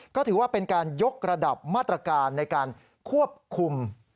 ก็ถือว่าเป็นการยกระดับมาตรการในการควบคุม